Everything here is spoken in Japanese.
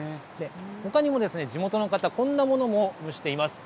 ほかにも地元の方、こんなものも蒸しています。